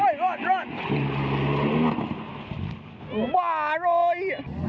โอ้ยรอดรอดบ้าร้อย